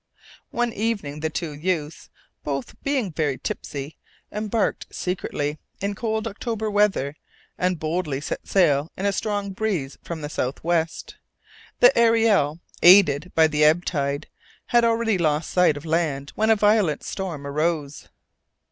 One evening the two youths, both being very tipsy, embarked secretly, in cold October weather, and boldly set sail in a strong breeze from the south west. The Ariel, aided by the ebb tide, had already lost sight of land when a violent storm arose.